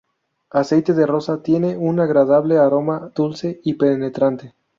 Aceite de Rosa: Tiene un agradable aroma dulce y penetrante.